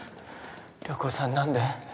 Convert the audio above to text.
涼子さん何で？